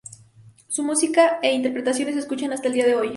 Su música e interpretaciones se escuchan hasta el día de hoy.